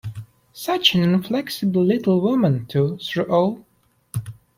Such an inflexible little woman, too, through all!